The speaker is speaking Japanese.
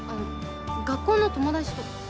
学校の友達と。